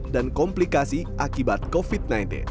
dan komplikasi akibat covid sembilan belas